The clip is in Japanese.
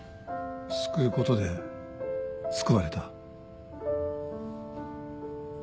救うことで救われた。